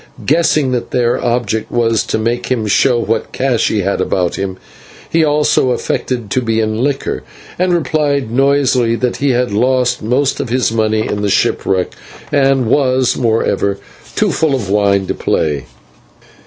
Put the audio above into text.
Guessing that their object was to make him show what cash he had about him, he also affected to be in liquor, and replied noisily that he had lost most of his money in the shipwreck, and was, moreover, too full of wine to play.